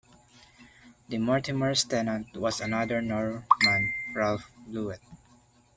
De Mortimer's tenant was another Norman, Ralph Bluet.